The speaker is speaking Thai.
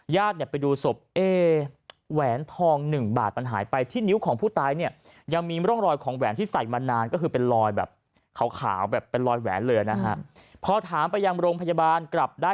ญาติไปดูศพแหวนทอง๑บาทมันหายไป